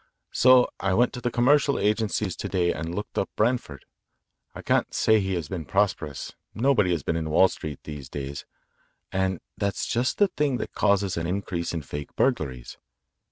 " So I went to the commercial agencies to day and looked up Branford. I can't say he has been prosperous; nobody has been in Wall Street these days, and that's just the thing that causes an increase in fake burglaries.